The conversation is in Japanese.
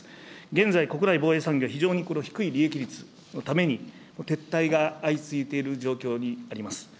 現在、国内防衛産業、非常に低い利益率のために、撤退が相次いでいる状況にあります。